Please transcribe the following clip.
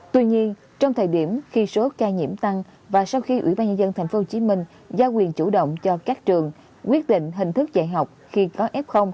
tuy nhiên trong thời điểm khi số ca nhiễm tăng và sau khi ủy ban nhân dân tp hcm giao quyền chủ động cho các trường quyết định hình thức dạy học khi có f